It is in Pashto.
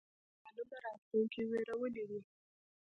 هر یو نامعلومه راتلونکې وېرولی دی